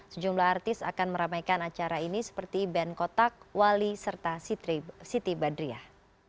sejumlah artis akan meramaikan acara ini seperti band kotak wali serta siti badriah